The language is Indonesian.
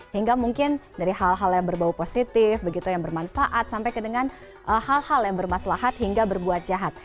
hingga mungkin dari hal hal yang berbau positif begitu yang bermanfaat sampai dengan hal hal yang bermaslahat hingga berbuat jahat